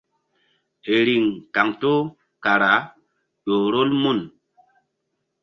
Riŋ kaŋto kara ƴo rol mun.